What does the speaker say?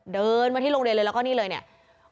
เดินมาที่โรงเรียนเลยแล้วก็นี่เลยเนี่ย